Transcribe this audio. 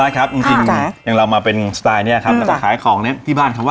อะไรรู้ไหมเขาทำแป๊บเดียว